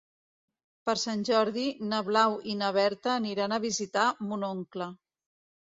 Per Sant Jordi na Blau i na Berta aniran a visitar mon oncle.